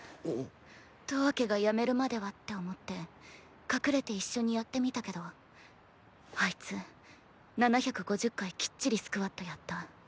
十朱がヤメるまではって思って隠れて一緒にやってみたけどあいつ７５０回キッチリスクワットやった。